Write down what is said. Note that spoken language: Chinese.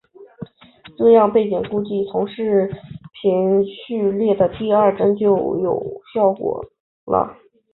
这样背景估计从视频序列的第二帧就有效了。